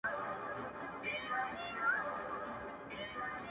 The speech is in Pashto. o شرجلال مي ته؛ په خپل جمال کي کړې بدل؛